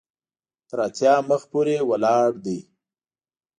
تر اتیا مخ پورې ولاړ دی.